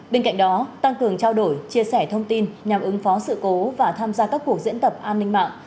bên cạnh đó tăng cường trao đổi chia sẻ thông tin nhằm ứng phó sự cố và tham gia các cuộc diễn tập an ninh mạng